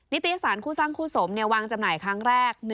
ิตยสารคู่สร้างคู่สมวางจำหน่ายครั้งแรก